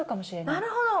なるほど。